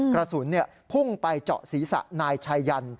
กระสุนพุ่งไปเจาะศีรษะนายชายัน